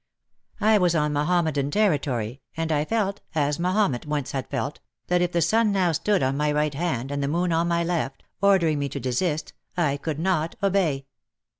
I was on Mahommedan territory, and I felt, as Mahomet once had felt, that "if the sun now stood on my right hand and the moon on my left " ordering me to desist, I could not obey.